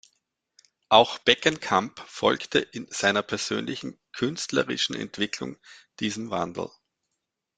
Auch Beckenkamp folgte in seiner persönlichen künstlerischen Entwicklung diesem Wandel.